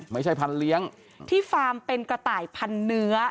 พันเลี้ยงที่ฟาร์มเป็นกระต่ายพันเนื้อ